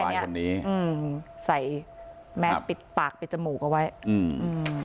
เห็นหน้าแค่เนี้ยอืมใส่แมสปิดปากปิดจมูกเอาไว้อืม